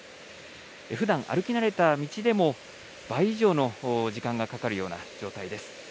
ふだん歩き慣れた道でも倍以上の時間がかかるような状態です。